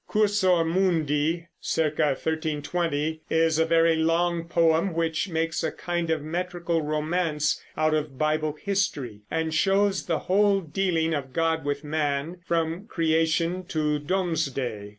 Cursor Mundi (c. 1320) is a very long poem which makes a kind of metrical romance out of Bible history and shows the whole dealing of God with man from Creation to Domesday.